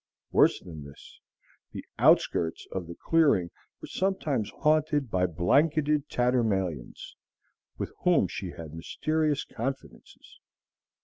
Worse than this, the outskirts of the clearing were sometimes haunted by blanketed tatterdemalions with whom she had mysterious confidences.